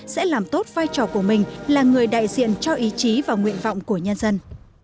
sẽ làm tốt vai trò của mình là người đại diện cho ý chí và nguyện vọng của nhân dân